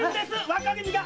若君が！